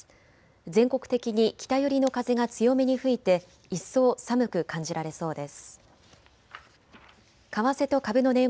全国的に北寄りの風が強めに吹いて一層寒く感じられそうです。